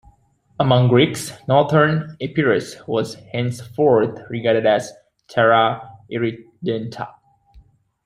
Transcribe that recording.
Among Greeks, northern Epirus was henceforth regarded as "terra irredenta".